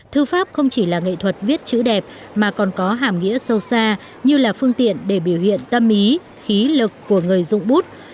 thư pháp không chỉ là nghệ thuật viết chữ đẹp mà còn có hàm nghĩa sâu xa như là phương tiện để biểu hiện tâm lý khí lực của người dụng bút